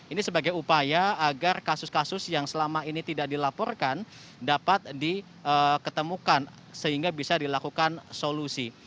ini sebagai upaya agar kasus kasus yang selama ini tidak dilaporkan dapat diketemukan sehingga bisa dilakukan solusi